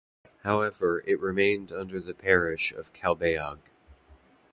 However, it remained under the parish of Calbayog.